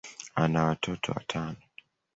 ana watoto watano.